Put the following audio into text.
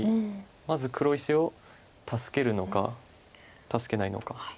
まず黒石を助けるのか助けないのか。